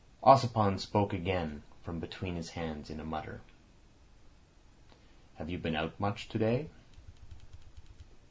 Ossipon spoke again from between his hands in a mutter. "Have you been out much to day?"